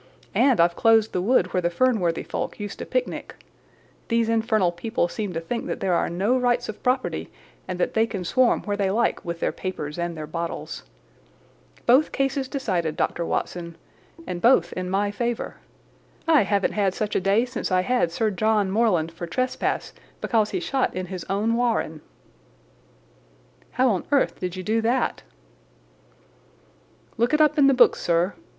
And I've closed the wood where the Fernworthy folk used to picnic. These infernal people seem to think that there are no rights of property, and that they can swarm where they like with their papers and their bottles. Both cases decided, Dr. Watson, and both in my favour. I haven't had such a day since I had Sir John Morland for trespass because he shot in his own warren." "How on earth did you do that?" "Look it up in the books, sir.